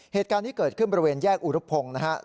เหตุการณ์นี้เกิดขึ้นบริเวณแยกอุรุพงศ์นะครับ